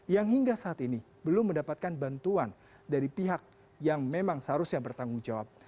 yang hingga saat ini belum mendapatkan bantuan dari pihak yang memang seharusnya bertanggung jawab